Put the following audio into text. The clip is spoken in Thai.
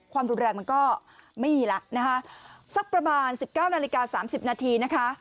ความรุนแรงมันก็ไม่มีแล้วนะคะสักประมาณ๑๙นาฬิกา๓๐นาทีนะคะ